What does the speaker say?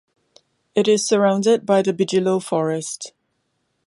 It is surrounded by the Bijilo Forest.